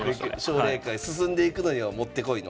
奨励会進んでいくのには持って来いの。